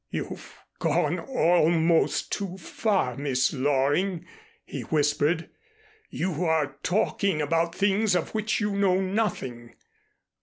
"You've gone almost too far, Miss Loring," he whispered. "You are talking about things of which you know nothing.